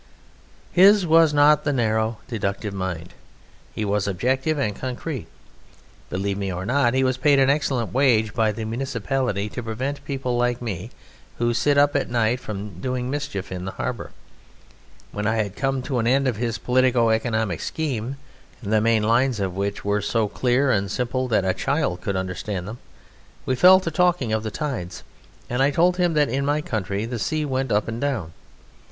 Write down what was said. His was not the narrow, deductive mind. He was objective and concrete. Believe me or not, he was paid an excellent wage by the municipality to prevent people like me, who sit up at night, from doing mischief in the harbour. When I had come to an end of his politico economic scheme the main lines of which were so clear and simple that a child could understand them we fell to talking of the tides, and I told him that in my country the sea went up and down.